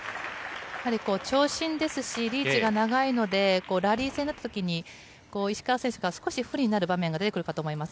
長身ですしリーチが長いのでラリー戦になった時に石川選手が少し不利になる場面が出てくると思います。